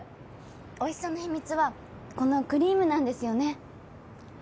おいしさの秘密はこのクリームなんですよね